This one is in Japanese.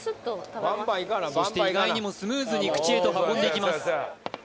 そして意外にもスムーズに口へと運んでいきます